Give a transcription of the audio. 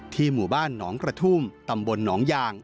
หมู่บ้านหนองกระทุ่มตำบลหนองยาง